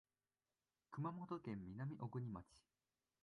熊本県南小国町